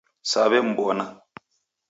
Saw'emw'ona